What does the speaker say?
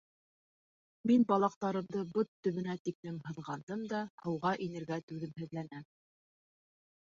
Мин балаҡтарымды бот төбөнә тиклем һыҙғандым да һыуға инергә түҙемһеҙләнәм.